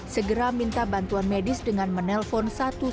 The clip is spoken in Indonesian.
segera minta bantuan medis dengan menelpon satu ratus dua belas